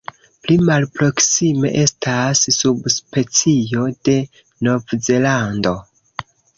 Pli malproksime estas subspecio de Novzelando.